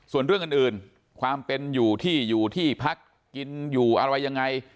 ส่วนเรื่องอื่นความเป็นอยู่ที่อยู่ที่พักกินอยู่อะไรยังไง